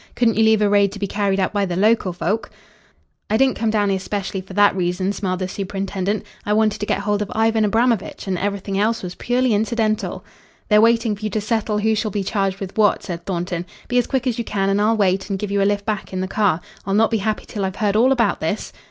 Couldn't you leave a raid to be carried out by the local folk?" "I didn't come down here specially for that reason," smiled the superintendent. "I wanted to get hold of Ivan Abramovitch, and everything else was purely incidental." "They're waiting for you to settle who shall be charged with what," said Thornton. "Be as quick as you can, and I'll wait and give you a lift back in the car. I'll not be happy till I've heard all about this."